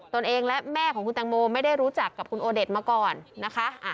ตัวเองและแม่ของคุณแตงโมไม่ได้รู้จักกับคุณโอเดชมาก่อนนะคะ